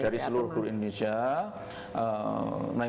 dari seluruh guru indonesia